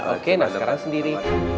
oke nah sekarang sendiri